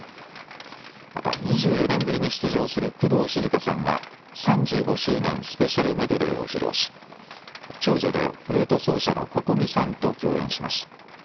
また２４年ぶりに出場する工藤静香さんが３５周年ＳＰメドレーを披露し長女でフルート奏者のＣｏｃｏｍｉさんと共演します。